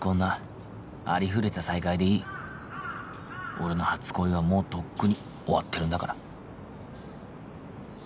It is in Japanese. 俺の初恋はもうとっくに終わってるんだから